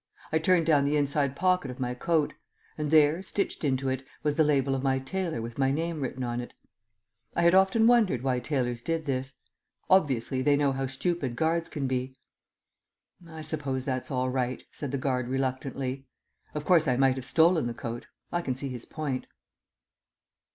I turned down the inside pocket of my coat; and there, stitched into it, was the label of my tailor with my name written on it. I had often wondered why tailors did this; obviously they know how stupid guards can be. "I suppose that's all right," said the guard reluctantly. Of course, I might have stolen the coat. I see his point.